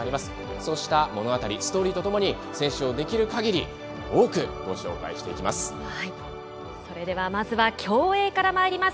そうした物語ストーリーとともに選手をできる限り多くご紹介していきます。